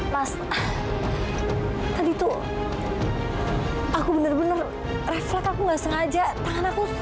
mas tadi tuh aku bener bener reflek aku nggak sengaja tangan aku